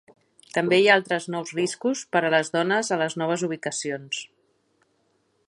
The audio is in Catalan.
També hi ha altres nous riscos per a les dones a les noves ubicacions.